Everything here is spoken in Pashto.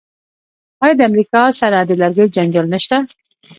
آیا د امریکا سره د لرګیو جنجال نشته؟